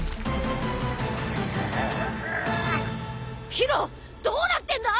宙どうなってんだ！？